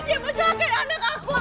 dia menjaga anak aku